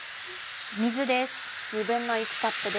水です。